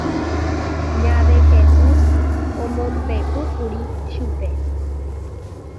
Ña Dejesús omombeʼúkuri chupe.